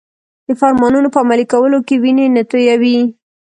د فرمانونو په عملي کولو کې وینې نه تویوي.